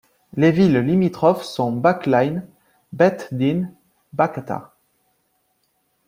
Les villes limitrophes sont Baakline, Beiteddine, Bakaata.